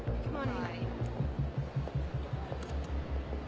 はい。